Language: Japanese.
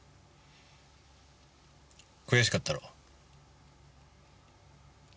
悔しかったろ？